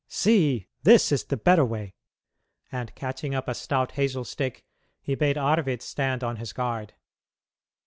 See, this is the better way"; and catching up a stout hazel stick, he bade Arvid stand on his guard.